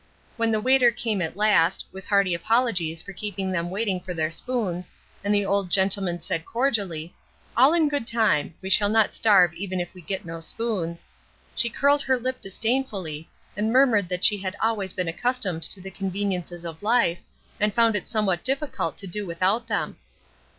When the waiter came at last, with hearty apologies for keeping them waiting for their spoons, and the old gentleman said cordially, "All in good time. We shall not starve even if we get no spoons," she curled her lip disdainfully, and murmured that she had always been accustomed to the conveniences of life, and found it somewhat difficult to do without them.